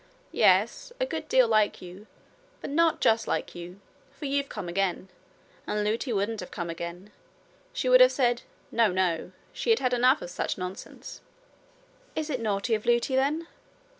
'Yes, a good deal like you, but not just like you; for you've come again; and Lootie wouldn't have come again. She would have said, No, no she had had enough of such nonsense.' 'Is it naughty of Lootie, then?'